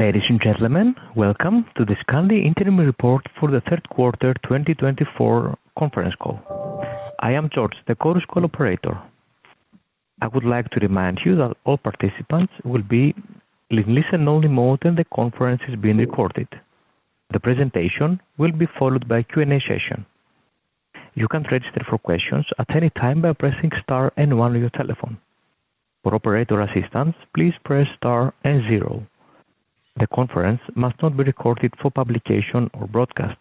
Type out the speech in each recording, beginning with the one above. Ladies and gentlemen, welcome to the Scandi interim report for the third quarter, 2024 conference call. I am George, the Chorus Call operator. I would like to remind you that all participants will be in listen-only mode, and the conference is being recorded. The presentation will be followed by a Q&A session. You can register for questions at any time by pressing star and one on your telephone. For operator assistance, please press star and zero. The conference must not be recorded for publication or broadcast.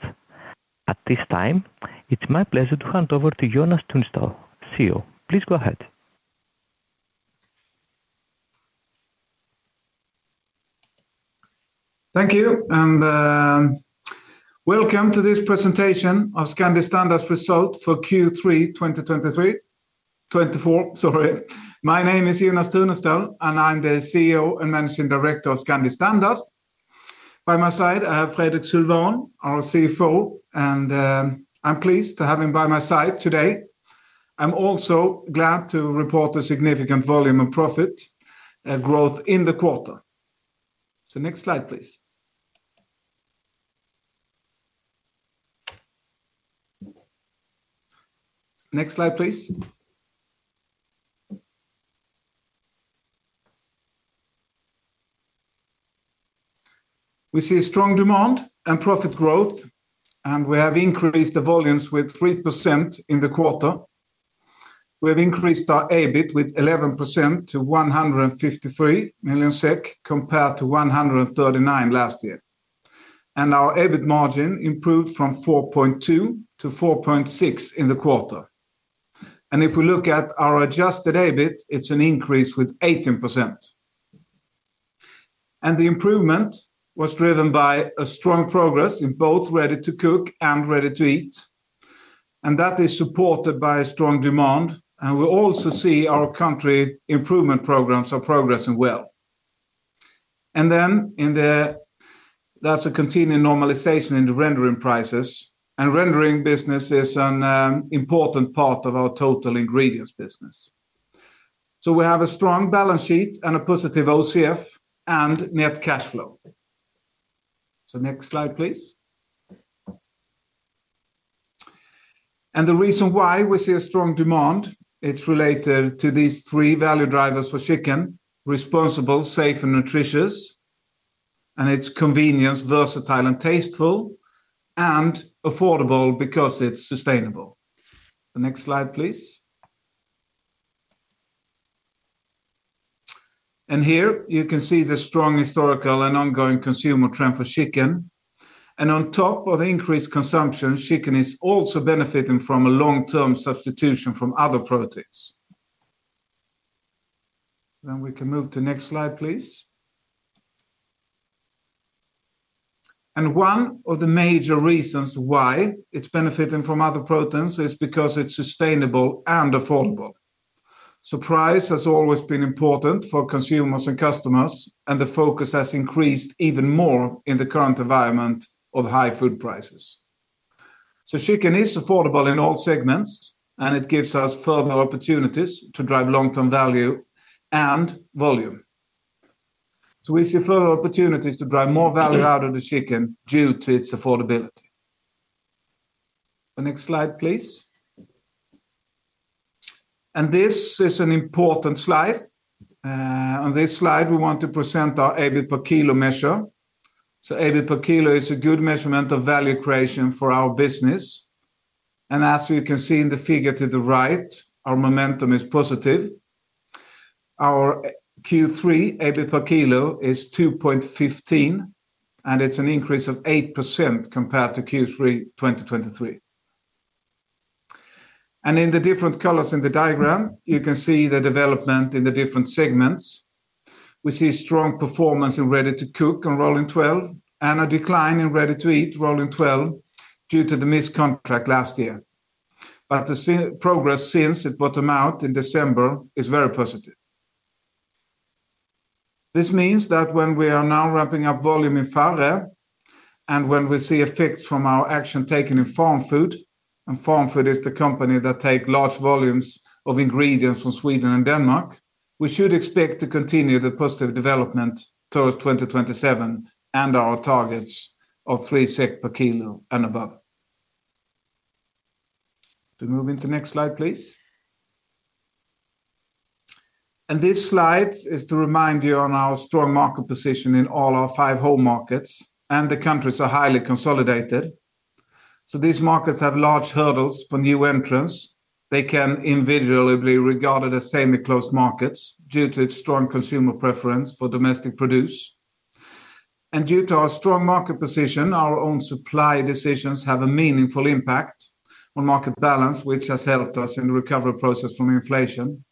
At this time, it's my pleasure to hand over to Jonas Tunestål, CEO. Please go ahead. Thank you, and welcome to this presentation of Scandi Standard's result for Q3 2024. My name is Jonas Tunestål, and I'm the CEO and Managing Director of Scandi Standard. By my side, I have Fredrik Sylwan, our CFO, and I'm pleased to have him by my side today. I'm also glad to report a significant volume of profit and growth in the quarter. So next slide, please. Next slide, please. We see a strong demand and profit growth, and we have increased the volumes with 3% in the quarter. We've increased our EBIT with 11% to 153 million SEK, compared to 139 million last year. Our EBIT margin improved from 4.2% to 4.6% in the quarter. If we look at our adjusted EBIT, it's an increase with 18%. And the improvement was driven by a strong progress in both Ready-to-Cook and Ready-to-Eat, and that is supported by a strong demand. And we also see our country improvement programs are progressing well. There's a continuing normalization in the rendering prices, and Rendering business is an important part of our total Ingredients business. So we have a strong balance sheet and a positive OCF and net cash flow. So next slide, please. And the reason why we see a strong demand, it's related to these three value drivers for chicken: responsible, safe, and nutritious. And it's convenient, versatile, and tasteful, and affordable because it's sustainable. The next slide, please. And here you can see the strong historical and ongoing consumer trend for chicken. And on top of increased consumption, chicken is also benefiting from a long-term substitution from other proteins. Then we can move to next slide, please. One of the major reasons why it's benefiting from other proteins is because it's sustainable and affordable. Price has always been important for consumers and customers, and the focus has increased even more in the current environment of high food prices. Chicken is affordable in all segments, and it gives us further opportunities to drive long-term value and volume. We see further opportunities to drive more value out of the chicken due to its affordability. The next slide, please. This is an important slide. On this slide, we want to present our EBIT per kilo measure. EBIT per kilo is a good measurement of value creation for our business, and as you can see in the figure to the right, our momentum is positive. Our Q3 EBIT per kilo is 2.15, and it's an increase of 8% compared to Q3 2023. In the different colors in the diagram, you can see the development in the different segments. We see strong performance in Ready-to-Cook on rolling 12, and a decline in Ready-to-Eat rolling 12 due to the missed contract last year. But the progress since it bottomed out in December is very positive. This means that when we are now ramping up volume in Farre and when we see effects from our action taken in Farmfood, and Farmfood is the company that take large volumes of ingredients from Sweden and Denmark, we should expect to continue the positive development towards 2027 and our targets of 3 SEK per kilo and above. To move into next slide, please. And this slide is to remind you on our strong market position in all our five home markets, and the countries are highly consolidated. So these markets have large hurdles for new entrants. They can individually be regarded as semi-closed markets due to its strong consumer preference for domestic produce. And due to our strong market position, our own supply decisions have a meaningful impact on market balance, which has helped us in the recovery process from inflation.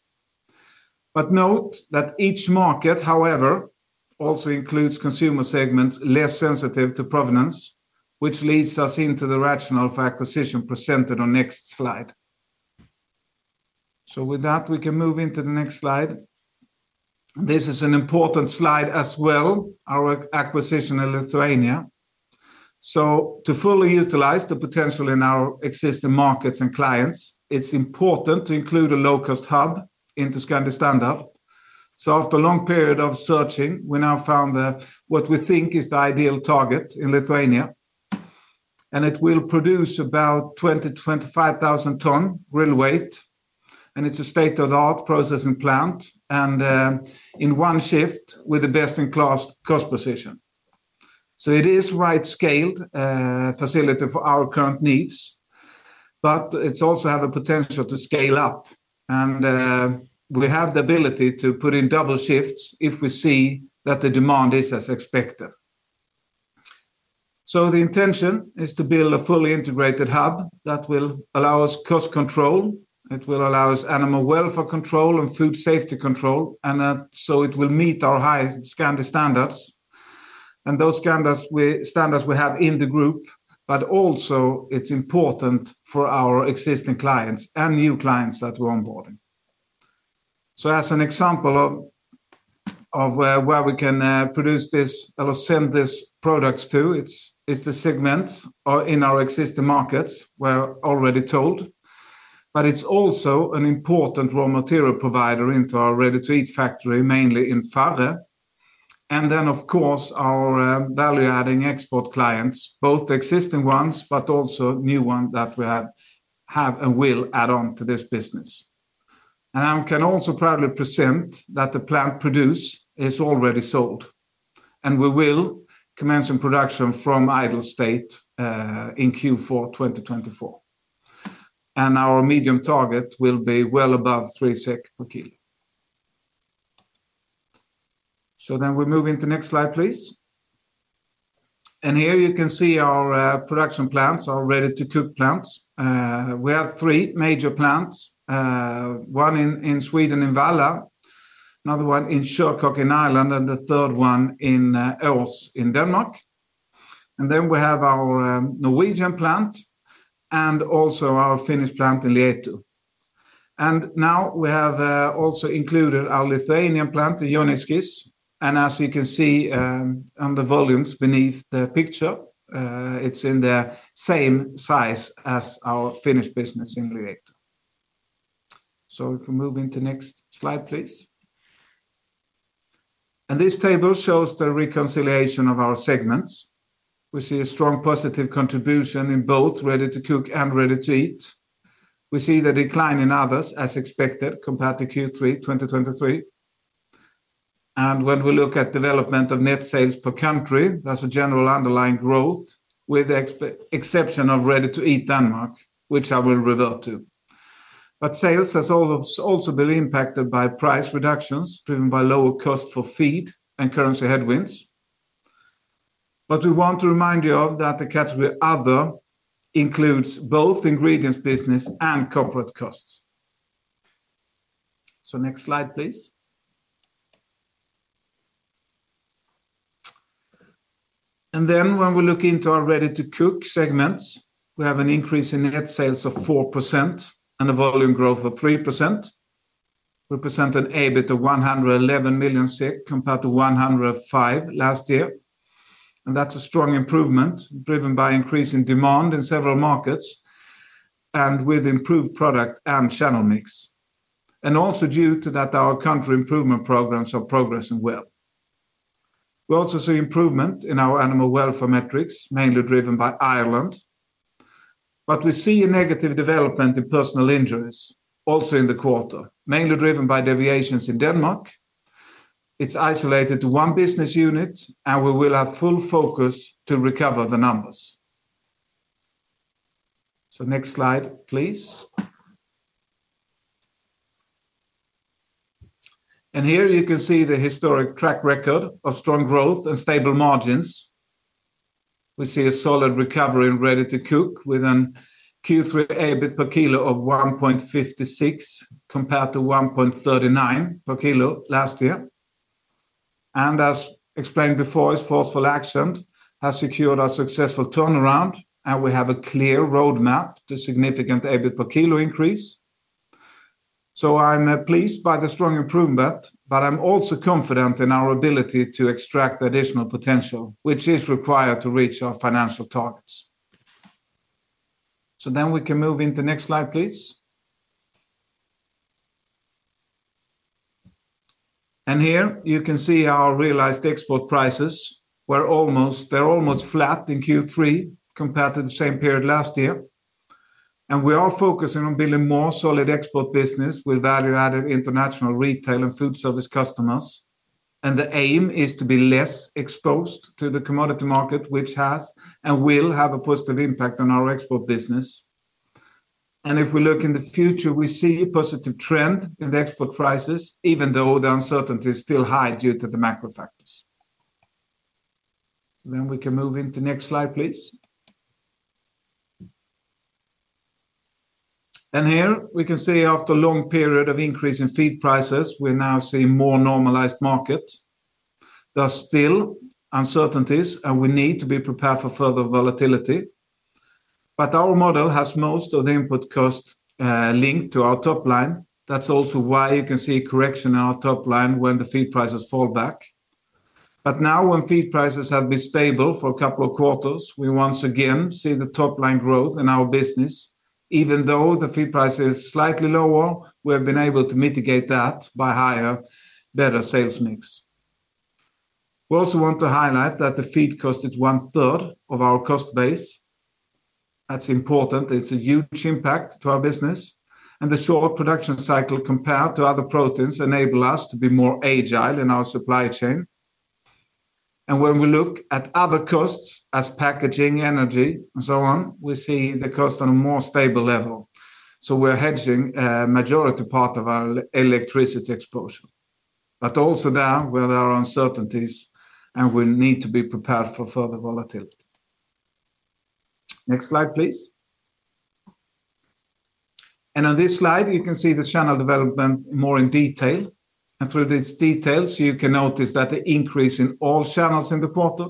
But note that each market, however, also includes consumer segments less sensitive to provenance, which leads us into the rationale for acquisition presented on next slide. So with that, we can move into the next slide. This is an important slide as well, our acquisition in Lithuania. So to fully utilize the potential in our existing markets and clients, it's important to include a low-cost hub in Scandi Standard. After a long period of searching, we now found the, what we think is the ideal target in Lithuania, and it will produce about 20,000 tons-25,000 tons real weight, and it's a state-of-the-art processing plant, and in one shift with the best-in-class cost position. It is right scaled facility for our current needs, but it's also have a potential to scale up, and we have the ability to put in double shifts if we see that the demand is as expected. The intention is to build a fully integrated hub that will allow us cost control. It will allow us animal welfare control and food safety control, and so it will meet our high Scandi standards. And those Scandi standards we have in the group, but also it's important for our existing clients and new clients that we're onboarding. So as an example of where we can produce this or send these products to, it's the segment or in our existing markets we're already told, but it's also an important raw material provider into our ready-to-eat factory, mainly in Farre. And then, of course, our value-adding export clients, both existing ones, but also new one that we have and will add on to this business. And I can also proudly present that the plant produce is already sold, and we will commence in production from idle state in Q4 2024. And our medium target will be well above 3 SEK per kilo. So then we move into next slide, please. And here you can see our production plants, our ready-to-cook plants. We have three major plants: one in Sweden in Valla, another one in Shercock in Ireland, and the third one in Aars in Denmark. And then we have our Norwegian plant and also our Finnish plant in Lieto. And now we have also included our Lithuanian plant, the Joniškis, and as you can see, on the volumes beneath the picture, it's in the same size as our Finnish business in Lieto. So we can move into next slide, please. And this table shows the reconciliation of our segments. We see a strong positive contribution in both Ready-to-Cook and Ready-to-Eat. We see the decline in others, as expected, compared to Q3 2023. And when we look at development of net sales per country, that's a general underlying growth, with the exception of Ready-to-Eat Denmark, which I will revert to. But sales has also been impacted by price reductions, driven by lower cost for feed and currency headwinds. But we want to remind you of that the category Other includes both Ingredients business and corporate costs. So next slide, please. And then when we look into our Ready-to-Cook segments, we have an increase in net sales of 4% and a volume growth of 3%. We present an EBIT of 111 million, compared to 105 million last year, and that's a strong improvement, driven by increase in demand in several markets and with improved product and channel mix. And also due to that, our country improvement programs are progressing well. We also see improvement in our animal welfare metrics, mainly driven by Ireland. But we see a negative development in personal injuries, also in the quarter, mainly driven by deviations in Denmark. It's isolated to one business unit, and we will have full focus to recover the numbers, so next slide, please, and here you can see the historic track record of strong growth and stable margins. We see a solid recovery in Ready-to-Cook, with a Q3 EBIT per kilo of 1.56, compared to 1.39 per kilo last year, and as explained before, as forceful action has secured our successful turnaround, and we have a clear roadmap to significant EBIT per kilo increase. So I'm pleased by the strong improvement, but I'm also confident in our ability to extract the additional potential, which is required to reach our financial targets. So then we can move into next slide, please. And here you can see our realized export prices were almost. They're almost flat in Q3 compared to the same period last year. And we are focusing on building more solid export business with value-added international retail and food service customers. And the aim is to be less exposed to the commodity market, which has and will have a positive impact on our export business. And if we look in the future, we see a positive trend in the export prices, even though the uncertainty is still high due to the macro factors. Then we can move into next slide, please. And here we can see after a long period of increase in feed prices, we now see more normalized markets. There are still uncertainties, and we need to be prepared for further volatility. But our model has most of the input cost linked to our top line. That's also why you can see a correction in our top line when the feed prices fall back. But now, when feed prices have been stable for a couple of quarters, we once again see the top-line growth in our business. Even though the feed price is slightly lower, we have been able to mitigate that by higher, better sales mix. We also want to highlight that the feed cost is one third of our cost base. That's important. It's a huge impact to our business, and the shorter production cycle compared to other proteins enable us to be more agile in our supply chain. And when we look at other costs as packaging, energy, and so on, we see the cost on a more stable level. So we're hedging majority part of our electricity exposure, but also there, where there are uncertainties, and we need to be prepared for further volatility. Next slide, please. On this slide, you can see the channel development more in detail. Through these details, you can notice that the increase in all channels in the quarter,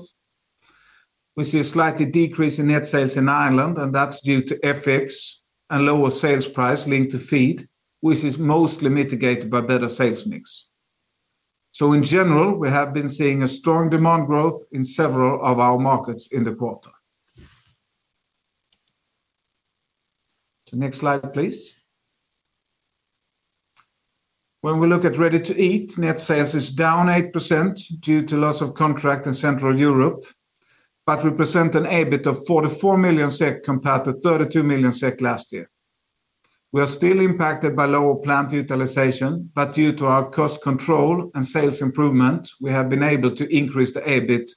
we see a slight decrease in net sales in Ireland, and that's due to FX and lower sales price linked to feed, which is mostly mitigated by better sales mix. In general, we have been seeing a strong demand growth in several of our markets in the quarter. Next slide, please. When we look at Ready-to-Eat, net sales is down 8% due to loss of contract in Central Europe, but we present an EBIT of 44 million SEK, compared to 32 million SEK last year. We are still impacted by lower plant utilization, but due to our cost control and sales improvement, we have been able to increase the EBIT,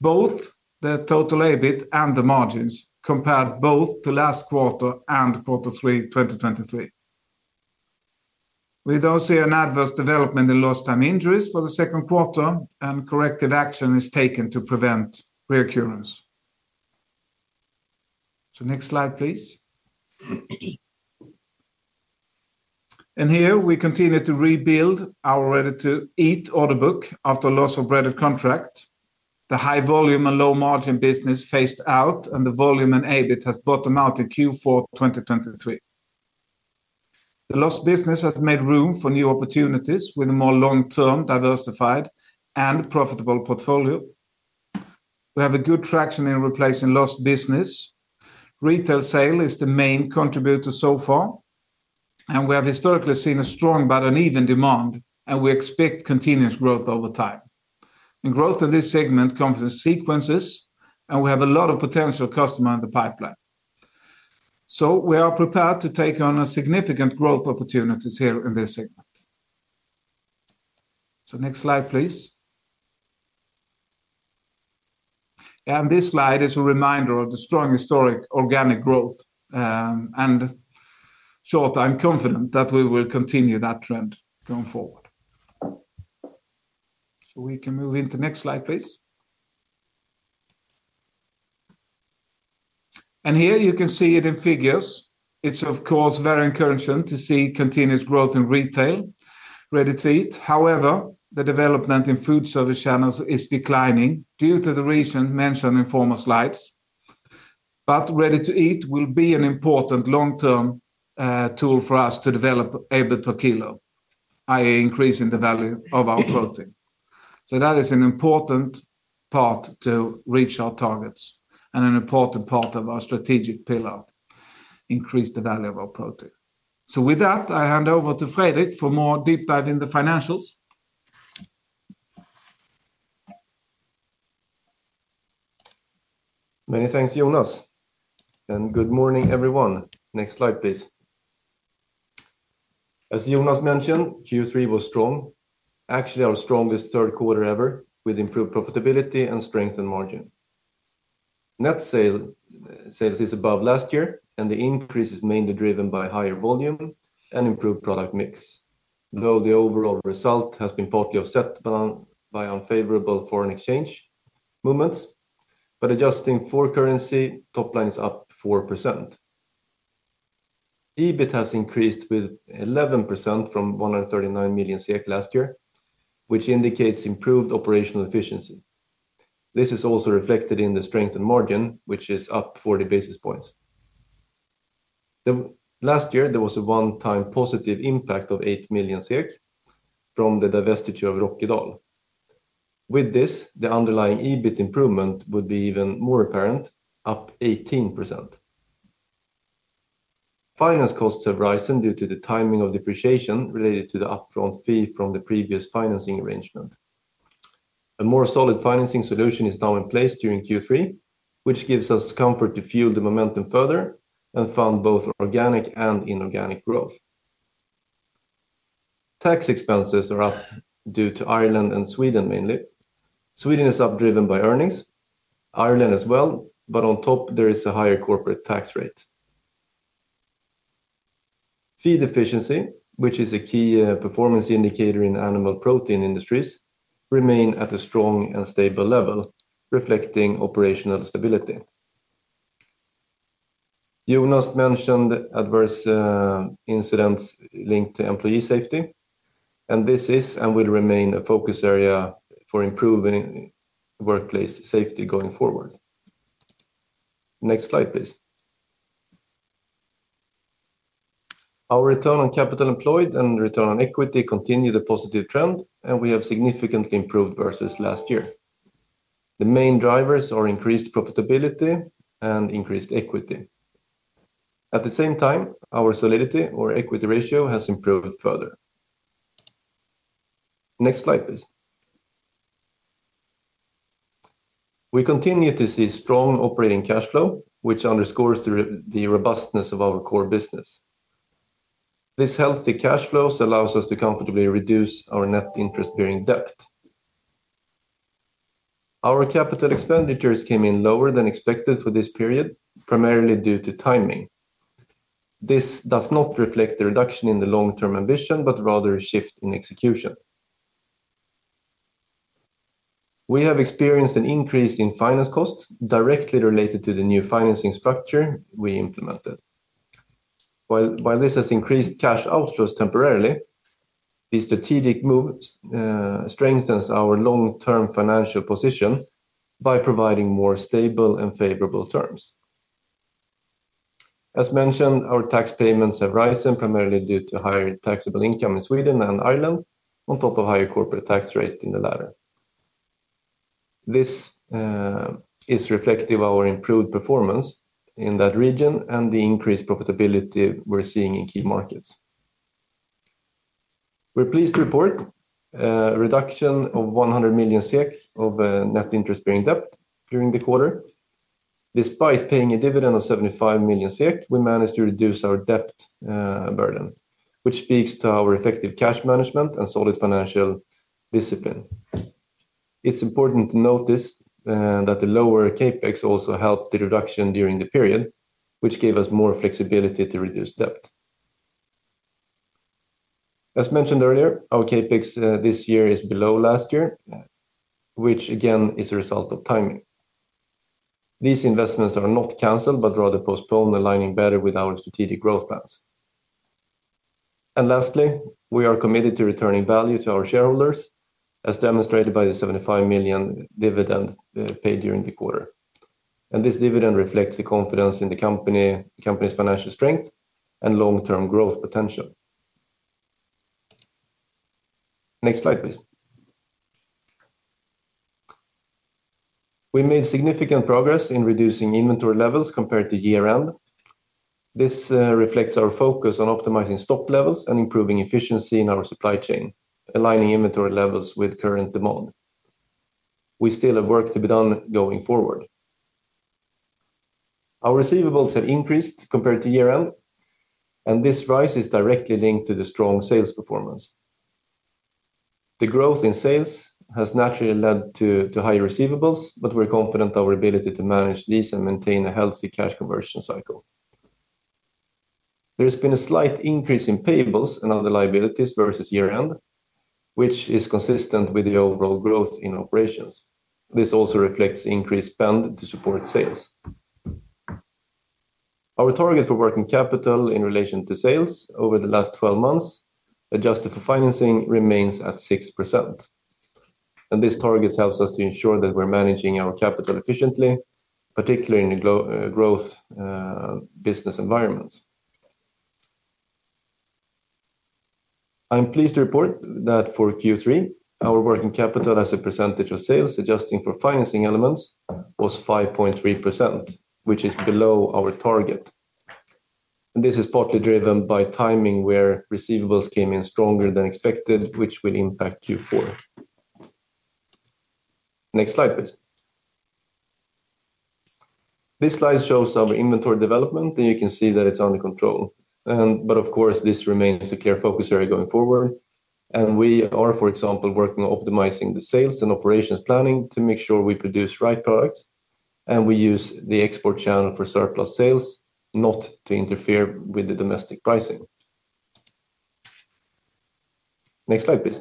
both the total EBIT and the margins, compared both to last quarter and quarter three, 2023. We also see an adverse development in lost time injuries for the second quarter, and corrective action is taken to prevent reoccurrence. So next slide, please. And here, we continue to rebuild our Ready-to-Eat order book after loss of breaded contract. The high volume and low margin business phased out, and the volume and EBIT has bottomed out in Q4, 2023. The lost business has made room for new opportunities with a more long-term, diversified, and profitable portfolio. We have a good traction in replacing lost business. Retail sale is the main contributor so far, and we have historically seen a strong but an even demand, and we expect continuous growth over time, and growth in this segment comes in sequences, and we have a lot of potential customer in the pipeline. So we are prepared to take on a significant growth opportunities here in this segment. So next slide, please. And this slide is a reminder of the strong historic organic growth, and so I'm confident that we will continue that trend going forward. So we can move into next slide, please. And here you can see it in figures. It's of course very encouraging to see continuous growth in retail, Ready-to-Eat. However, the development in food service channels is declining due to the reason mentioned in former slides. But Ready-to-Eat will be an important long-term tool for us to develop EBIT per kilo, i.e., increase in the value of our protein. So that is an important part to reach our targets and an important part of our strategic pillar, increase the value of our protein. So with that, I hand over to Fredrik for more deep dive in the financials. Many thanks, Jonas, and good morning, everyone. Next slide, please. As Jonas mentioned, Q3 was strong, actually our strongest third quarter ever, with improved profitability and strength in margin. Net sales is above last year, and the increase is mainly driven by higher volume and improved product mix, though the overall result has been partly offset by unfavorable foreign exchange movements. But adjusting for currency, top line is up 4%. EBIT has increased with 11% from 139 million last year, which indicates improved operational efficiency. This is also reflected in the strength in margin, which is up 40 basis points. Last year, there was a one-time positive impact of 8 million SEK from the divestiture of Rokkedahl. With this, the underlying EBIT improvement would be even more apparent, up 18%. Finance costs have risen due to the timing of depreciation related to the upfront fee from the previous financing arrangement. A more solid financing solution is now in place during Q3, which gives us comfort to fuel the momentum further and fund both organic and inorganic growth. Tax expenses are up due to Ireland and Sweden, mainly. Sweden is up, driven by earnings. Ireland as well, but on top there is a higher corporate tax rate. Feed efficiency, which is a key performance indicator in animal protein industries, remain at a strong and stable level, reflecting operational stability. Jonas mentioned adverse incidents linked to employee safety, and this is and will remain a focus area for improving workplace safety going forward. Next slide, please. Our return on capital employed and return on equity continue the positive trend, and we have significantly improved versus last year. The main drivers are increased profitability and increased equity. At the same time, our solidity or equity ratio has improved further. Next slide, please. We continue to see strong operating cash flow, which underscores the robustness of our core business. This healthy cash flows allows us to comfortably reduce our net interest-bearing debt. Our capital expenditures came in lower than expected for this period, primarily due to timing. This does not reflect the reduction in the long-term ambition, but rather a shift in execution. We have experienced an increase in finance costs directly related to the new financing structure we implemented. While this has increased cash outflows temporarily, the strategic move strengthens our long-term financial position by providing more stable and favorable terms. As mentioned, our tax payments have risen, primarily due to higher taxable income in Sweden and Ireland, on top of higher corporate tax rate in the latter. This is reflective of our improved performance in that region and the increased profitability we're seeing in key markets. We're pleased to report a reduction of 100 million SEK of net interest-bearing debt during the quarter. Despite paying a dividend of 75 million SEK, we managed to reduce our debt burden, which speaks to our effective cash management and solid financial discipline. It's important to notice that the lower CapEx also helped the reduction during the period, which gave us more flexibility to reduce debt. As mentioned earlier, our CapEx this year is below last year, which again is a result of timing. These investments are not canceled, but rather postponed, aligning better with our strategic growth plans. And lastly, we are committed to returning value to our shareholders, as demonstrated by the 75 million dividend paid during the quarter. And this dividend reflects the confidence in the company, the company's financial strength and long-term growth potential. Next slide, please. We made significant progress in reducing inventory levels compared to year-end. This reflects our focus on optimizing stock levels and improving efficiency in our supply chain, aligning inventory levels with current demand. We still have work to be done going forward. Our receivables have increased compared to year-end, and this rise is directly linked to the strong sales performance. The growth in sales has naturally led to higher receivables, but we're confident our ability to manage these and maintain a healthy cash conversion cycle. There's been a slight increase in payables and other liabilities versus year-end, which is consistent with the overall growth in operations. This also reflects increased spend to support sales. Our target for working capital in relation to sales over the last 12 months, adjusted for financing remains at 6%, and this target helps us to ensure that we're managing our capital efficiently, particularly in a growth business environment. I'm pleased to report that for Q3, our working capital as a percentage of sales, adjusting for financing elements, was 5.3%, which is below our target. This is partly driven by timing, where receivables came in stronger than expected, which will impact Q4. Next slide, please. This slide shows our inventory development, and you can see that it's under control. But of course, this remains a clear focus area going forward, and we are, for example, working on optimizing the sales and operations planning to make sure we produce the right products, and we use the export channel for surplus sales, not to interfere with the domestic pricing. Next slide, please.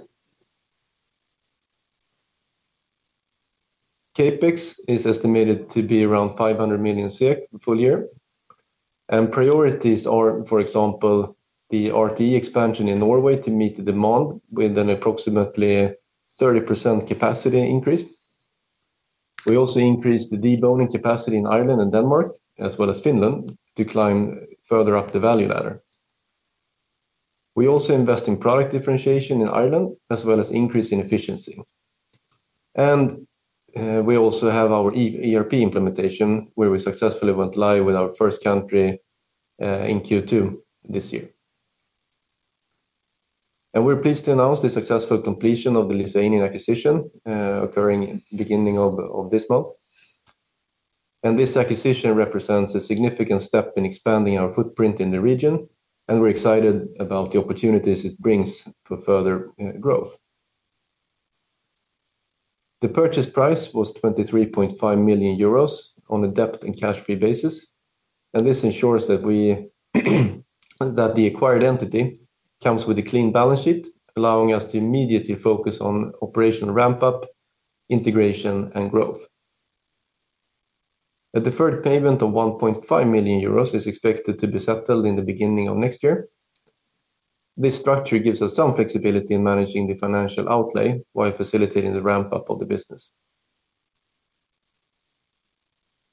CapEx is estimated to be around 500 million full year, and priorities are, for example, the RT expansion in Norway to meet the demand with an approximately 30% capacity increase. We also increased the deboning capacity in Ireland and Denmark, as well as Finland, to climb further up the value ladder. We also invest in product differentiation in Ireland, as well as increase in efficiency. And, we also have our ERP implementation, where we successfully went live with our first country in Q2 this year. We're pleased to announce the successful completion of the Lithuanian acquisition, occurring in beginning of this month. This acquisition represents a significant step in expanding our footprint in the region, and we're excited about the opportunities it brings for further growth. The purchase price was 23.5 million euros on a debt and cash-free basis, and this ensures that the acquired entity comes with a clean balance sheet, allowing us to immediately focus on operational ramp-up, integration, and growth. A deferred payment of 1.5 million euros is expected to be settled in the beginning of next year. This structure gives us some flexibility in managing the financial outlay while facilitating the ramp up of the business.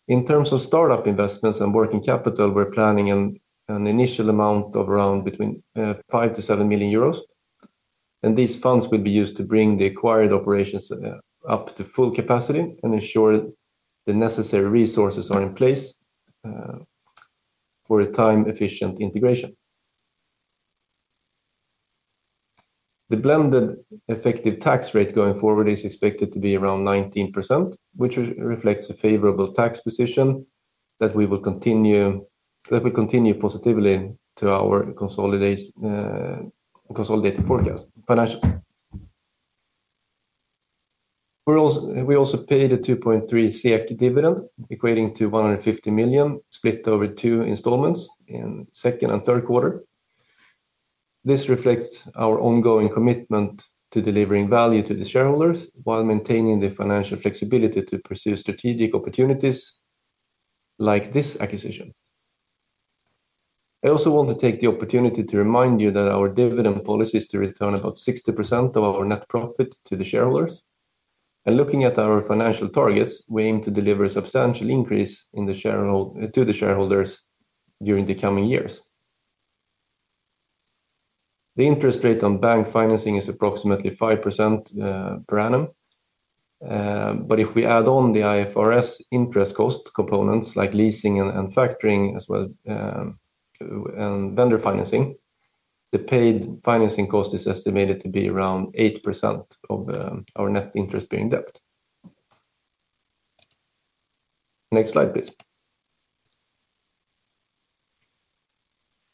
In terms of startup investments and working capital, we're planning an initial amount of around between 5 million-7 million euros, and these funds will be used to bring the acquired operations up to full capacity and ensure the necessary resources are in place for a time-efficient integration. The blended effective tax rate going forward is expected to be around 19%, which reflects a favorable tax position that will continue positively to our consolidated forecast. Financial. We're also paid a 2.3 SEK dividend, equating to 150 million, split over two installments in second and third quarter. This reflects our ongoing commitment to delivering value to the shareholders while maintaining the financial flexibility to pursue strategic opportunities like this acquisition. I also want to take the opportunity to remind you that our dividend policy is to return about 60% of our net profit to the shareholders. Looking at our financial targets, we aim to deliver a substantial increase to the shareholders during the coming years. The interest rate on bank financing is approximately 5% per annum, but if we add on the IFRS interest cost components like leasing and factoring, as well, and vendor financing, the paid financing cost is estimated to be around 8% of our net interest-bearing debt. Next slide, please.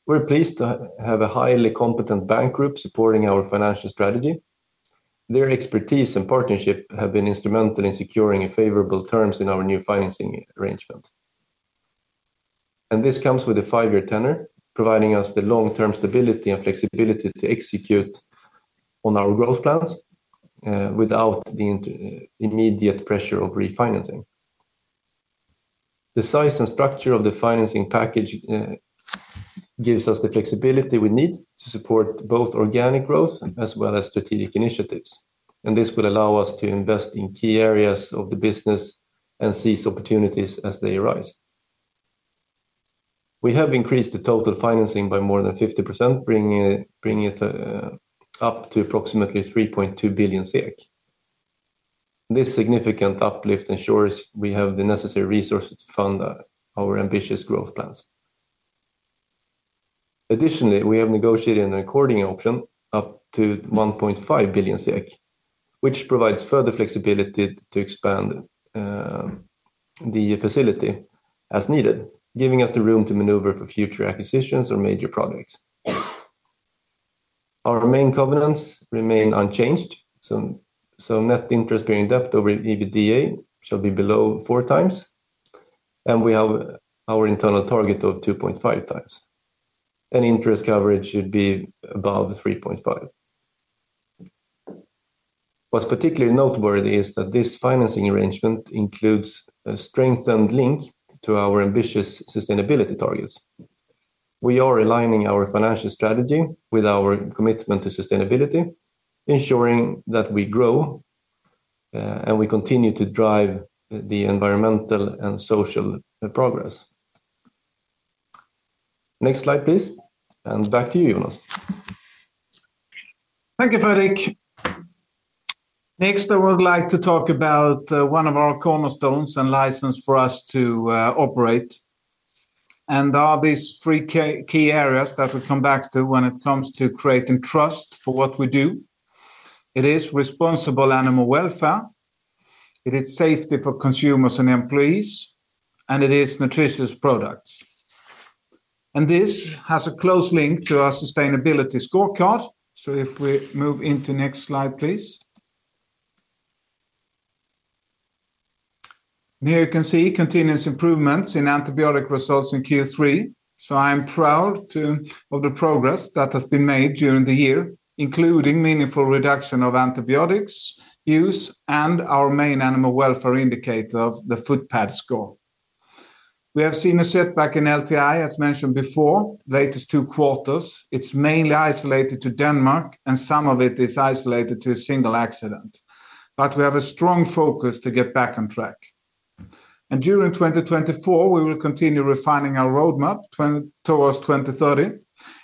We're pleased to have a highly competent bank group supporting our financial strategy. Their expertise and partnership have been instrumental in securing favorable terms in our new financing arrangement. This comes with a five-year tenor, providing us the long-term stability and flexibility to execute on our growth plans without the immediate pressure of refinancing. The size and structure of the financing package gives us the flexibility we need to support both organic growth as well as strategic initiatives, and this will allow us to invest in key areas of the business and seize opportunities as they arise. We have increased the total financing by more than 50%, bringing it up to approximately 3.2 billion SEK. This significant uplift ensures we have the necessary resources to fund our ambitious growth plans. Additionally, we have negotiated an accordion option up to 1.5 billion SEK, which provides further flexibility to expand the facility as needed, giving us the room to maneuver for future acquisitions or major projects. Our main covenants remain unchanged, so net interest-bearing debt over EBITDA shall be below 4x, and we have our internal target of 2.5x. And interest coverage should be above 3.5x. What's particularly noteworthy is that this financing arrangement includes a strengthened link to our ambitious sustainability targets. We are aligning our financial strategy with our commitment to sustainability, ensuring that we grow and we continue to drive the environmental and social progress. Next slide, please. And back to you, Jonas. Thank you, Fredrik. Next, I would like to talk about one of our cornerstones and license for us to operate. These are three key areas that we come back to when it comes to creating trust for what we do. It is responsible animal welfare, it is safety for consumers and employees, and it is nutritious products. This has a close link to our sustainability scorecard. If we move into next slide, please. Here you can see continuous improvements in antibiotic results in Q3. I'm proud of the progress that has been made during the year, including meaningful reduction of antibiotics use and our main animal welfare indicator of the footpad score. We have seen a setback in LTI, as mentioned before, latest two quarters. It's mainly isolated to Denmark, and some of it is isolated to a single accident. But we have a strong focus to get back on track. During 2024, we will continue refining our roadmap towards 2030,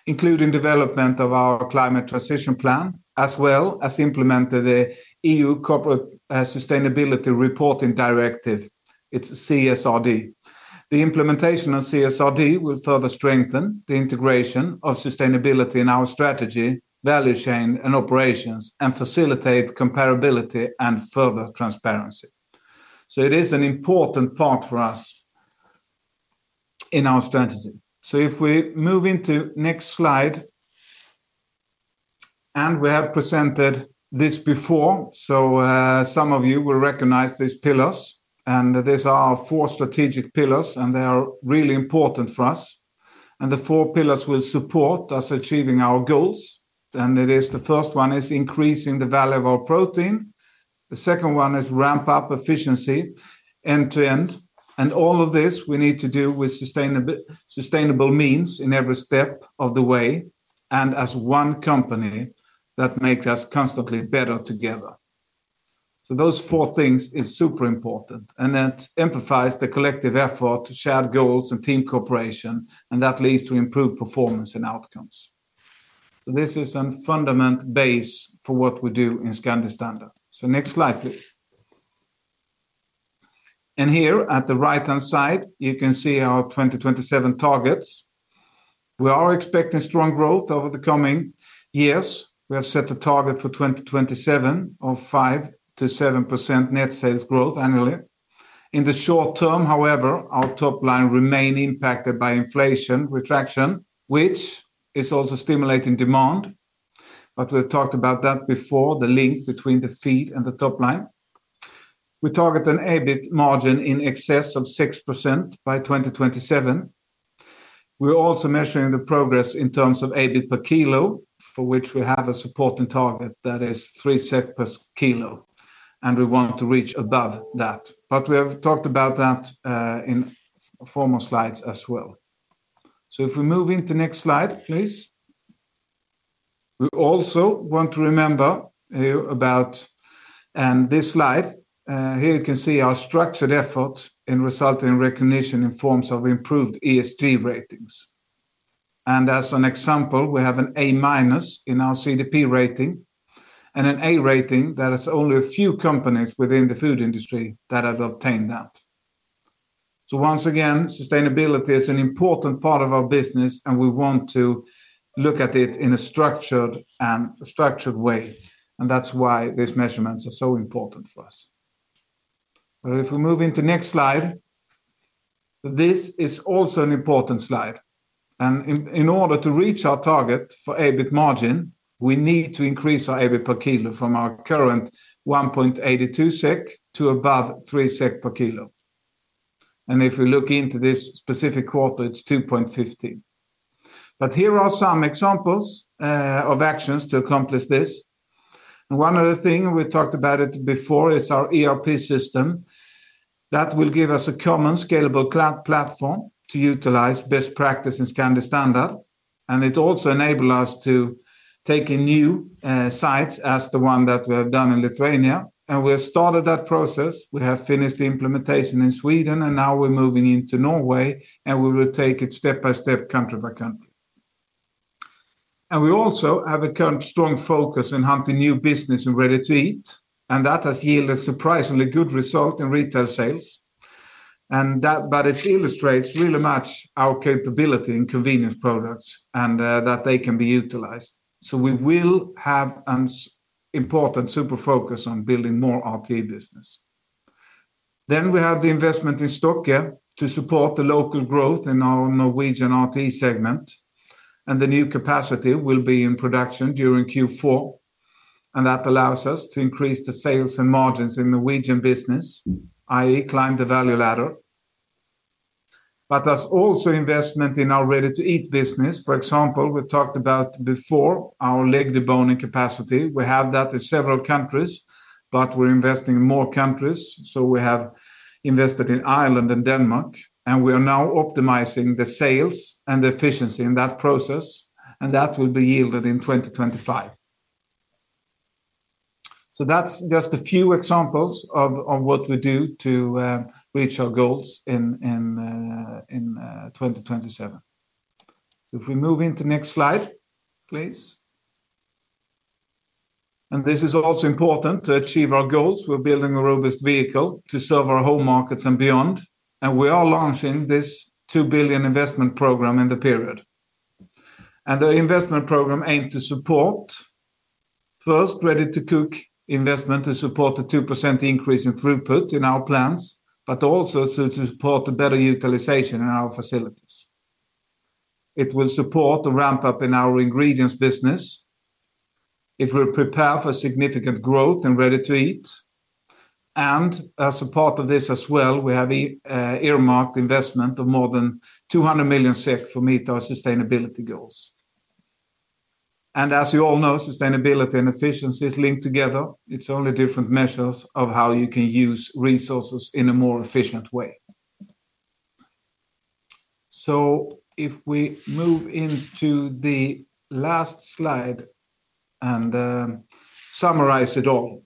including development of our climate transition plan, as well as implement the EU Corporate Sustainability Reporting Directive, it's CSRD. The implementation of CSRD will further strengthen the integration of sustainability in our strategy, value chain, and operations, and facilitate comparability and further transparency. It is an important part for us in our strategy. If we move into next slide, and we have presented this before, so some of you will recognize these pillars, and these are our four strategic pillars, and they are really important for us. The four pillars will support us achieving our goals. It is, the first one is increasing the value of our protein. The second one is ramp up efficiency end-to-end. All of this, we need to do with sustainable means in every step of the way, and as one company that makes us constantly better together. Those four things are super important, and that amplifies the collective effort to shared goals and team cooperation, and that leads to improved performance and outcomes. This is a fundamental base for what we do in Scandi Standard. Next slide, please. Here, at the right-hand side, you can see our 2027 targets. We are expecting strong growth over the coming years. We have set a target for 2027 of 5%-7% net sales growth annually. In the short term, however, our top line remains impacted by inflation retraction, which is also stimulating demand, but we've talked about that before, the link between the feed and the top line. We target an EBIT margin in excess of 6% by 2027. We're also measuring the progress in terms of EBIT per kilo, for which we have a supporting target, that is 3 per kilo, and we want to reach above that. But we have talked about that, in former slides as well. So if we move into next slide, please. We also want to remember here about, this slide. Here you can see our structured effort in resulting recognition in forms of improved ESG ratings. And as an example, we have an A- in our CDP rating and an A rating that is only a few companies within the food industry that have obtained that. So once again, sustainability is an important part of our business, and we want to look at it in a structured and. Structured way, and that's why these measurements are so important for us. But if we move into next slide, this is also an important slide. And in order to reach our target for EBIT margin, we need to increase our EBIT per kilo from our current 1.82 SEK to above 3 SEK per kilo. And if we look into this specific quarter, it's 2.50. But here are some examples of actions to accomplish this. And one other thing, we talked about it before, is our ERP system. That will give us a common scalable cloud platform to utilize best practice in Scandi Standard, and it also enable us to take in new sites as the one that we have done in Lithuania. And we have started that process. We have finished the implementation in Sweden, and now we're moving into Norway, and we will take it step by step, country by country. And we also have a current strong focus in hunting new business in Ready-to-Eat, and that has yielded surprisingly good result in retail sales. And that, but it illustrates really much our capability in convenience products and, that they can be utilized. So we will have an important super focus on building more RT business. Then we have the investment in Stokke to support the local growth in our Norwegian RT segment, and the new capacity will be in production during Q4, and that allows us to increase the sales and margins in Norwegian business, i.e., climb the value ladder. But there's also investment in our Ready-to-Eat business. For example, we talked about before our leg deboning capacity. We have that in several countries, but we're investing in more countries. So we have invested in Ireland and Denmark, and we are now optimizing the sales and the efficiency in that process, and that will be yielded in 2025. So that's just a few examples of on what we do to reach our goals in 2027. So if we move into next slide, please. And this is also important to achieve our goals. We're building a robust vehicle to serve our home markets and beyond, and we are launching this 2 billion investment program in the period. And the investment program aimed to support, first, Ready-to-Cook investment to support the 2% increase in throughput in our plants, but also to support the better utilization in our facilities. It will support the ramp up in our Ingredients business. It will prepare for significant growth in Ready-to-Eat, and as a part of this as well, we have earmarked investment of more than 200 million SEK to meet our sustainability goals. And as you all know, sustainability and efficiency is linked together. It's only different measures of how you can use resources in a more efficient way. So if we move into the last slide and summarize it all.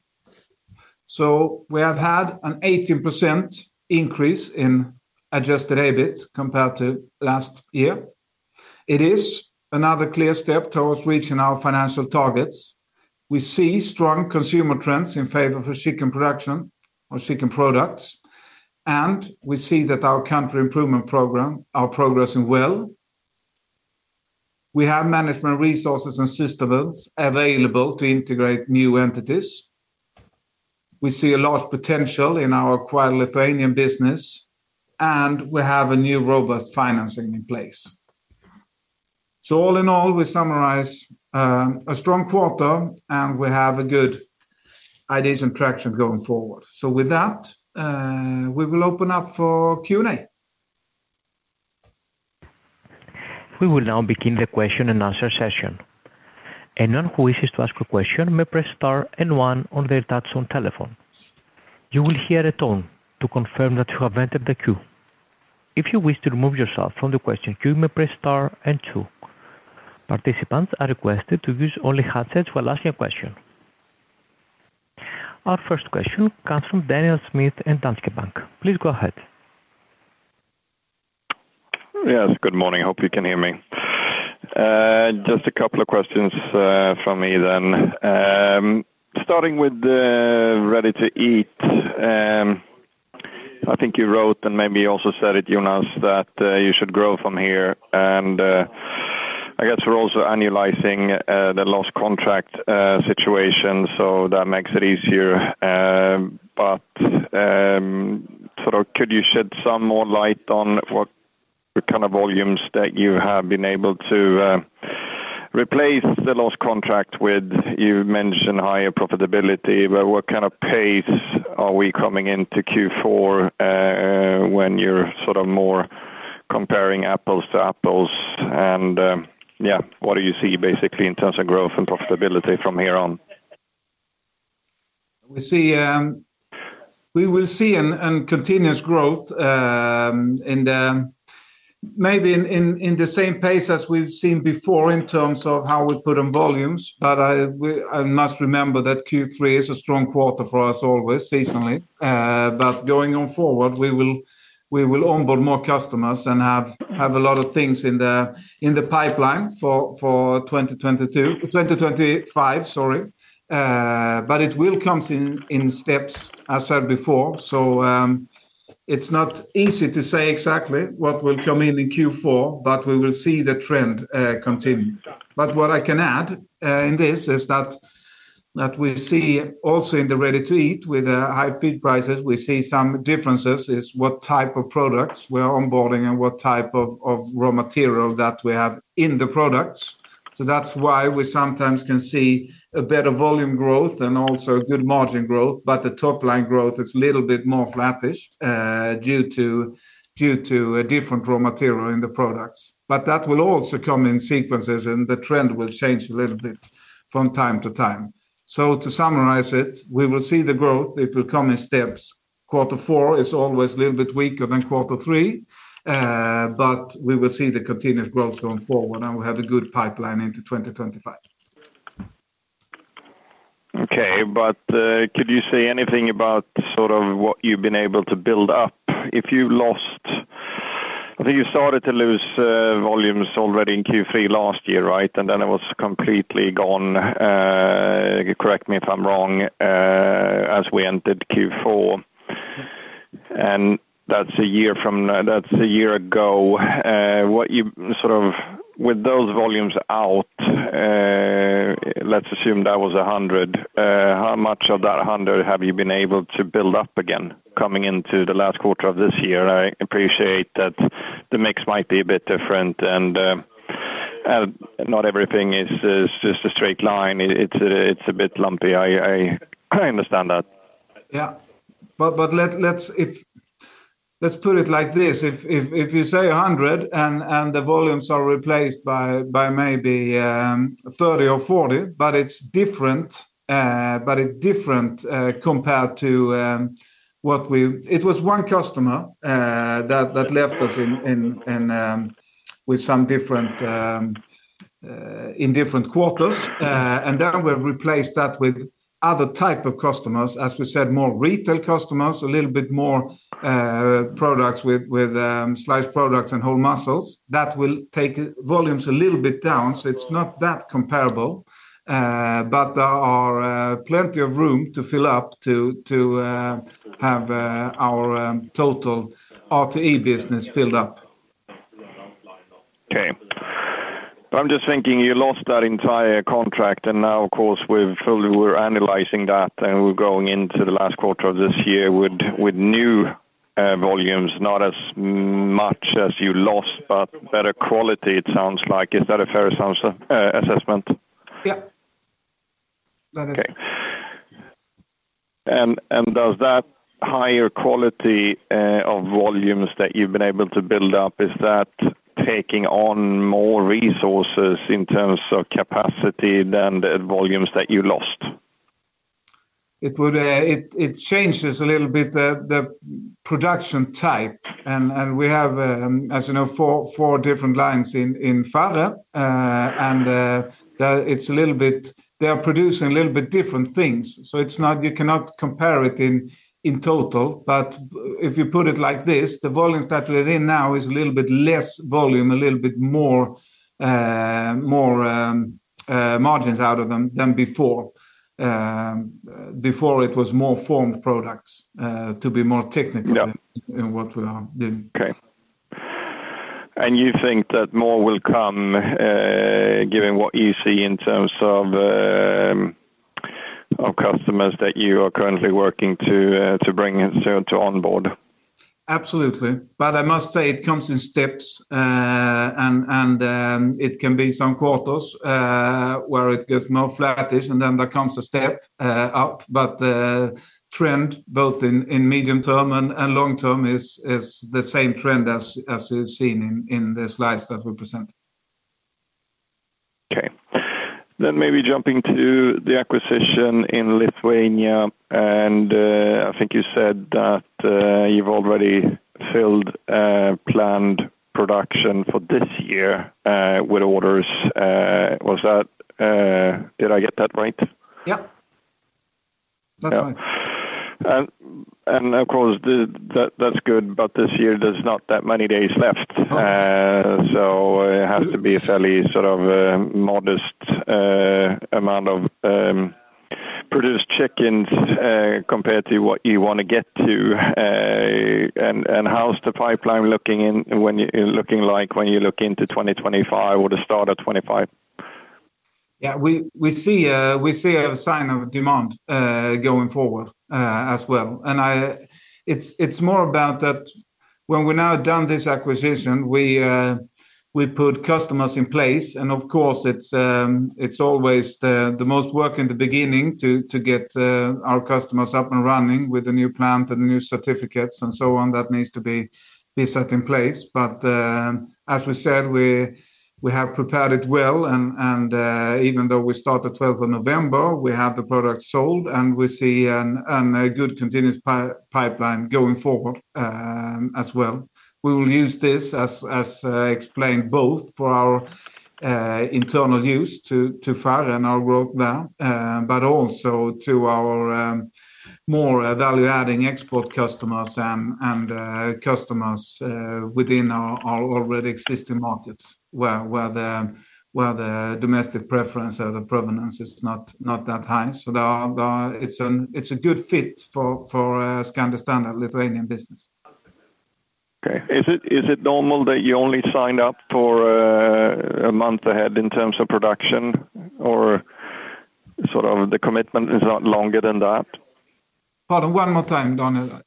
So we have had an 18% increase in Adjusted EBIT compared to last year. It is another clear step towards reaching our financial targets. We see strong consumer trends in favor of a chicken production or chicken products, and we see that our country improvement program are progressing well. We have management resources and systems available to integrate new entities. We see a large potential in our acquired Lithuanian business, and we have a new robust financing in place. So all in all, we summarize a strong quarter, and we have a good ideas and traction going forward. So with that, we will open up for Q&A. We will now begin the question-and-answer session. Anyone who wishes to ask a question may press star and one on their touchtone telephone. You will hear a tone to confirm that you have entered the queue. If you wish to remove yourself from the question queue, you may press star and two. Participants are requested to use only handsets while asking a question. Our first question comes from Daniel Schmidt in Danske Bank. Please go ahead. Yes, good morning. Hope you can hear me. Just a couple of questions from me then. Starting with the Ready-to-Eat, I think you wrote, and maybe you also said it, Jonas, that you should grow from here, and I guess we're also annualizing the lost contract situation, so that makes it easier. But sort of could you shed some more light on what kind of volumes that you have been able to replace the lost contract with? You mentioned higher profitability, but what kind of pace are we coming into Q4 when you're sort of more comparing apples to apples? And yeah, what do you see basically in terms of growth and profitability from here on? We see, we will see a continuous growth, in maybe in the same pace as we've seen before in terms of how we put on volumes. But I must remember that Q3 is a strong quarter for us always, seasonally. But going forward, we will onboard more customers and have a lot of things in the pipeline for 2022. 2025, sorry. But it will come in steps, as I said before. So, it's not easy to say exactly what will come in in Q4, but we will see the trend continue. But what I can add, in this is that we see also in the Ready-to-Eat with high feed prices, we see some differences, is what type of products we're onboarding and what type of raw material that we have in the products. So that's why we sometimes can see a better volume growth and also good margin growth, but the top-line growth is a little bit more flattish, due to a different raw material in the products. But that will also come in sequences, and the trend will change a little bit from time to time. So to summarize it, we will see the growth. It will come in steps. Quarter four is always a little bit weaker than quarter three, but we will see the continuous growth going forward, and we have a good pipeline into 2025. Okay, but, could you say anything about sort of what you've been able to build up? If you lost... I think you started to lose, volumes already in Q3 last year, right? And then it was completely gone, correct me if I'm wrong, as we entered Q4, and that's a year from now, that's a year ago. What you sort of, with those volumes out, let's assume that was 100, how much of that 100 have you been able to build up again coming into the last quarter of this year? I appreciate that the mix might be a bit different, and, not everything is just a straight line. It's a bit lumpy. I understand that. Yeah. But let's put it like this: if you say 100, and the volumes are replaced by maybe 30 or 40, but it's different, compared to what we, it was one customer that left us in with some different in different quarters. And then we've replaced that with other type of customers, as we said, more retail customers, a little bit more products with sliced products and whole muscles. That will take volumes a little bit down, so it's not that comparable, but there are plenty of room to fill up to have our total RTE business filled up. Okay. I'm just thinking you lost that entire contract, and now, of course, we're analyzing that, and we're going into the last quarter of this year with new volumes, not as much as you lost, but better quality, it sounds like. Is that a fair assessment? Yeah. Okay. And does that higher quality of volumes that you've been able to build up, is that taking on more resources in terms of capacity than the volumes that you lost? It changes a little bit the production type, and we have, as you know, four different lines in Farre, and it's a little bit. They are producing a little bit different things, so you cannot compare it in total. But if you put it like this, the volumes that are in now is a little bit less volume, a little bit more margins out of them than before. Before it was more formed products, to be more technical. Yeah. In what we are doing. Okay. And you think that more will come, given what you see in terms of customers that you are currently working to bring in, so to onboard? Absolutely. But I must say it comes in steps, and it can be some quarters where it gets more flattish, and then there comes a step up. But the trend, both in medium term and long term, is the same trend as you've seen in the slides that we presented. Okay. Then maybe jumping to the acquisition in Lithuania, and I think you said that you've already filled planned production for this year with orders. Was that, did I get that right? Yeah. That's right. Yeah. And of course, that's good, but this year, there's not that many days left. No. So it has to be a fairly sort of modest amount of produced chickens compared to what you wanna get to. And how's the pipeline looking in, looking like when you look into 2025 or the start of 2025? Yeah. We see a sign of demand going forward as well. And it's more about that when we're now done this acquisition, we put customers in place, and of course, it's always the most work in the beginning to get our customers up and running with the new plant and the new certificates and so on, that needs to be set in place. But as we said, we have prepared it well, and even though we start the 12th of November, we have the product sold, and we see a good continuous pipeline going forward as well. We will use this as explained, both for our internal use to Farre and our growth there, but also to our more value-adding export customers and customers within our already existing markets, where the domestic preference or the provenance is not that high. So there are, it's a good fit for Scandi Standard Lithuanian business. Okay. Is it, is it normal that you only sign up for a month ahead in terms of production? Or sort of the commitment is not longer than that? Pardon? One more time, Daniel.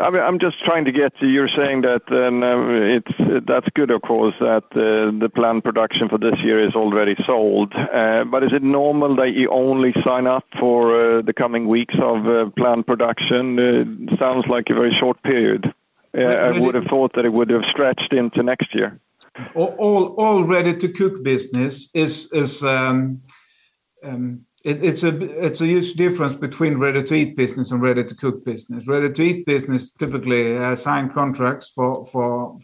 I'm just trying to get to you're saying that, then, it's, that's good, of course, that the planned production for this year is already sold. But is it normal that you only sign up for the coming weeks of planned production? Sounds like a very short period. I would have thought that it would have stretched into next year. All Ready-to-Cook business is it, it's a huge difference between Ready-to-Eat business and Ready-to-Cook business. Ready-to-Eat business typically sign contracts for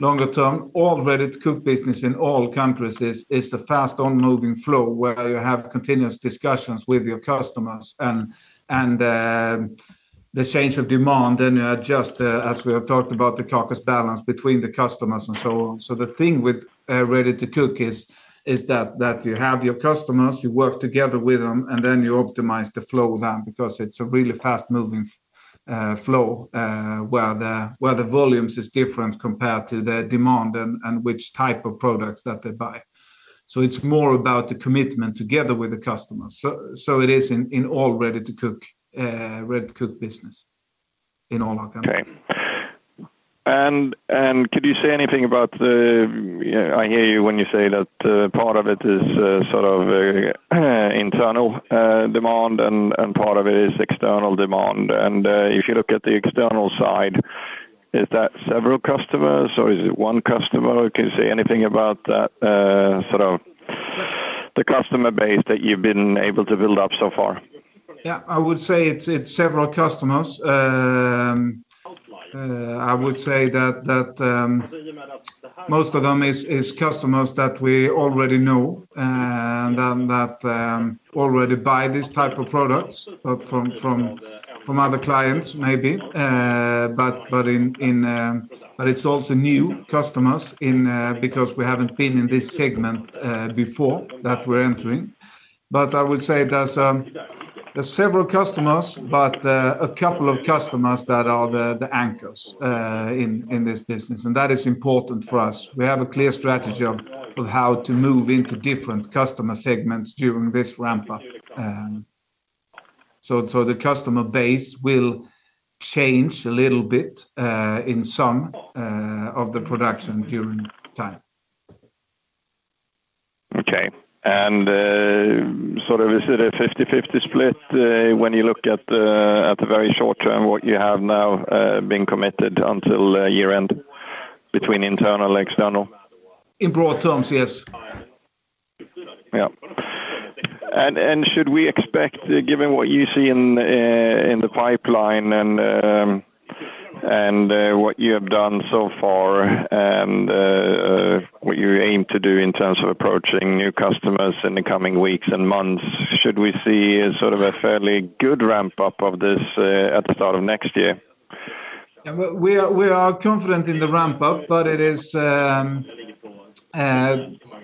longer term. All Ready-to-Cook business in all countries is a fast-moving flow, where you have continuous discussions with your customers and the change of demand, and you adjust, as we have talked about, the carcass balance between the customers and so on. So the thing with Ready-to-Cook is that you have your customers, you work together with them, and then you optimize the flow then, because it's a really fast-moving flow, where the volumes is different compared to the demand and which type of products that they buy. So it's more about the commitment together with the customers. It is in all Ready-to-Cook business in all our countries. Okay. Could you say anything about the, I hear you when you say that part of it is sort of internal demand, and part of it is external demand. If you look at the external side, is that several customers, or is it one customer? Can you say anything about that sort of the customer base that you've been able to build up so far? Yeah, I would say it's several customers. I would say that most of them is customers that we already know, and that already buy these type of products, but from other clients, maybe. But it's also new customers in because we haven't been in this segment before, that we're entering. But I would say there's several customers, but a couple of customers that are the anchors in this business, and that is important for us. We have a clear strategy of how to move into different customer segments during this ramp up, so the customer base will change a little bit in some of the production during time. Okay. And sort of is it a 50-50 split when you look at the very short term, what you have now been committed until year end, between internal and external? In broad terms, yes. Yeah. And should we expect, given what you see in the pipeline and what you have done so far, and what you aim to do in terms of approaching new customers in the coming weeks and months, should we see sort of a fairly good ramp-up of this at the start of next year? Yeah, we are confident in the ramp up, but it is,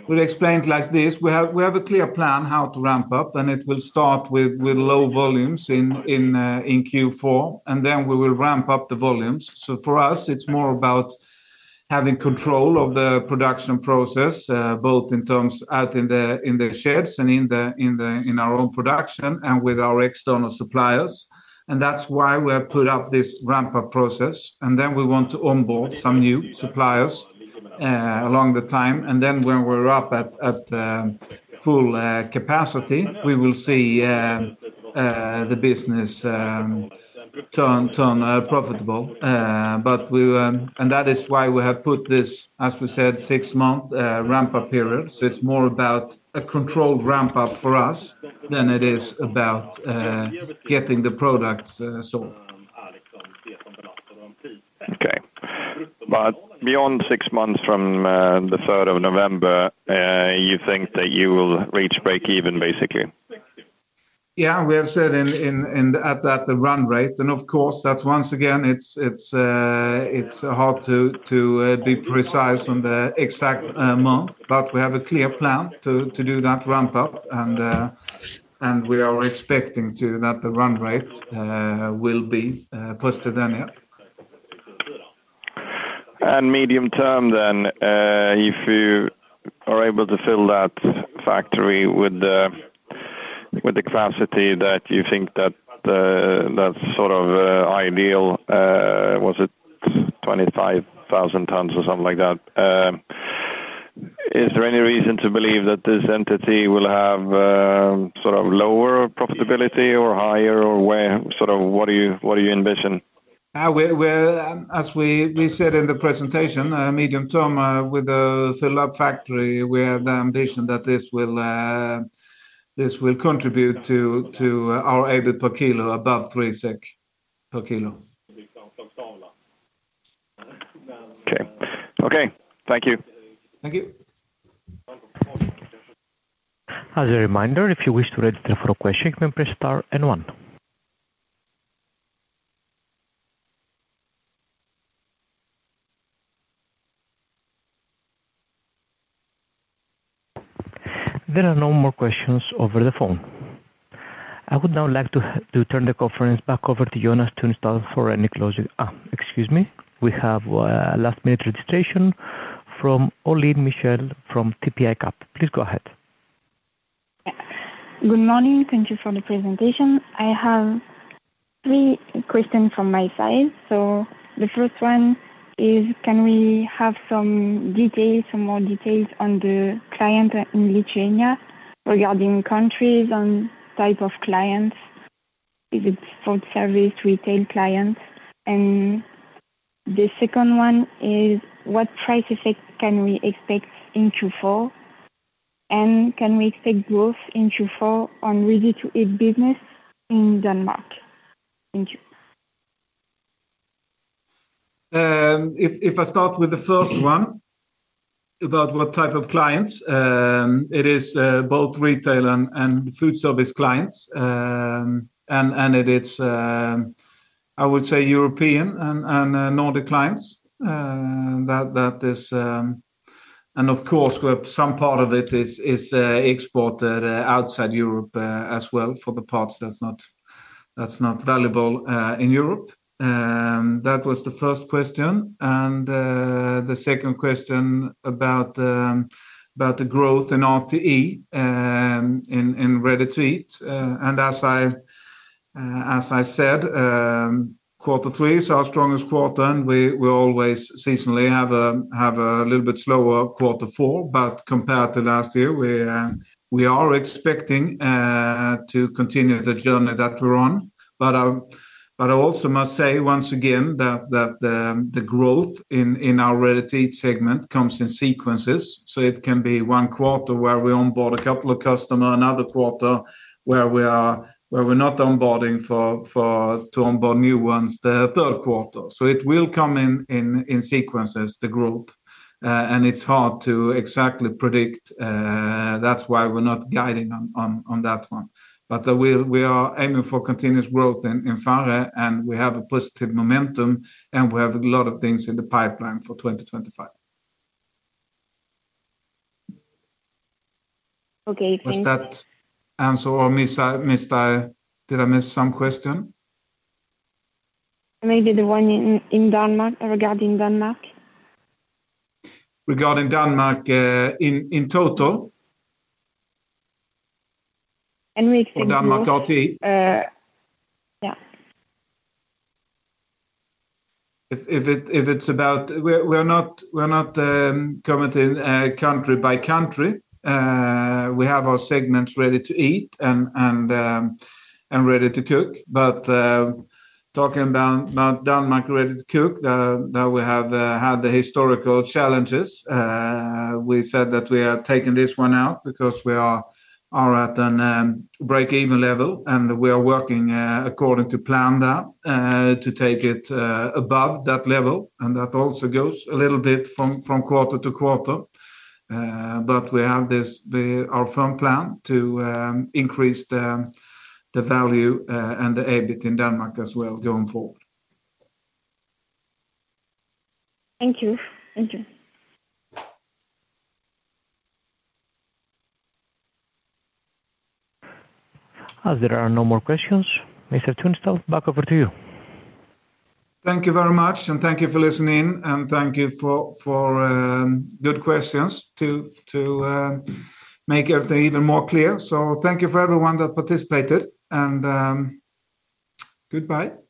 we'll explain it like this: We have a clear plan how to ramp up, and it will start with low volumes in Q4, and then we will ramp up the volumes. So for us, it's more about having control of the production process, both in terms of out in the sheds and in our own production and with our external suppliers. And that's why we have put up this ramp-up process, and then we want to onboard some new suppliers along the time. And then when we're up at full capacity, we will see the business turn profitable. But we and that is why we have put this, as we said, six-month ramp-up period. So it's more about a controlled ramp-up for us than it is about getting the products sold. Okay. But beyond six months from the 3rd of November, you think that you will reach break even, basically? Yeah, we have said at that run rate, and of course, that once again it's hard to be precise on the exact month, but we have a clear plan to do that ramp up, and we are expecting to that the run rate will be positive then, yeah. And medium term then, if you are able to fill that factory with the capacity that you think that that's sort of ideal, was it 25,000 tons or something like that? Is there any reason to believe that this entity will have sort of lower profitability or higher? Or where, sort of, what do you envision? As we said in the presentation, medium term, with a filled-up factory, we have the ambition that this will contribute to our EBIT per kilo, above 3 SEK per kilo. Okay. Okay, thank you. Thank you. As a reminder, if you wish to register for a question, you may press star and one. There are no more questions over the phone. I would now like to turn the conference back over to Jonas Tunestål for any closing... Oh, excuse me. We have a last-minute registration from [Olly Michelle] from TP ICAP. Please go ahead. Good morning. Thank you for the presentation. I have three questions from my side. So the first one is, can we have some details, some more details on the client in Lithuania? Regarding countries and type of clients, if it's food service, retail clients? And the second one is, what price effect can we expect in Q4? And can we expect growth in Q4 on Ready-to-Eat business in Denmark? Thank you. If I start with the first one, about what type of clients, it is both retail and food service clients, and it is, I would say, European and Nordic clients, that is, and of course, we have some part of it is exported outside Europe as well, for the parts that's not valuable in Europe. That was the first question, and the second question about the growth in RTE, in Ready-to-Eat, and as I said, quarter three is our strongest quarter, and we always seasonally have a little bit slower quarter four, but compared to last year, we are expecting to continue the journey that we're on. But I also must say, once again, that the growth in our Ready-to-Eat segment comes in sequences. So it can be one quarter where we onboard a couple of customer, another quarter where we're not onboarding for to onboard new ones, the third quarter. So it will come in sequences, the growth, and it's hard to exactly predict, that's why we're not guiding on that one. But we are aiming for continuous growth in Farre, and we have a positive momentum, and we have a lot of things in the pipeline for 2025. Okay, thank you. Was that an answer or did I miss some question? Maybe the one in Denmark, regarding Denmark. Regarding Denmark, in total? Or Denmark RT? Uh, yeah. If it's about... We're not commenting country by country. We have our segments Ready-to-Eat and Ready-to-Cook. But talking about Denmark Ready-to-Cook, that we have had the historical challenges, we said that we are taking this one out because we are at a break-even level, and we are working according to plan there to take it above that level, and that also goes a little bit from quarter to quarter. But we have this our firm plan to increase the value and the EBIT in Denmark as well, going forward. Thank you. Thank you. As there are no more questions. Mr. Tunestål, back over to you. Thank you very much, and thank you for listening, and thank you for good questions to make everything even more clear. So thank you for everyone that participated, and goodbye.